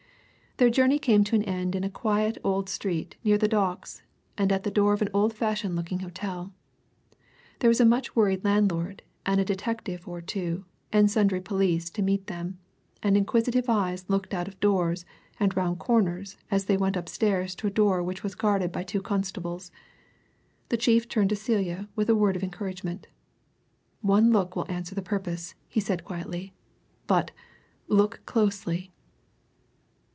Their journey came to an end in a quiet old street near the Docks, and at the door of an old fashioned looking hotel. There was a much worried landlord, and a detective or two, and sundry police to meet them, and inquisitive eyes looked out of doors and round corners as they went upstairs to a door which was guarded by two constables. The chief turned to Celia with a word of encouragement. "One look will answer the purpose," he said quietly. "But look closely!"